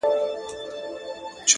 پوه انسان د زده کړې لاره نه پرېږدي,